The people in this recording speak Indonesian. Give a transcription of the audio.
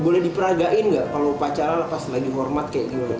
boleh diperagain nggak kalau upacara lepas lagi hormat kayak gitu